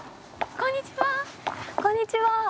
こんにちは！